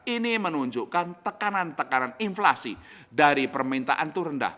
ini menunjukkan tekanan tekanan inflasi dari permintaan itu rendah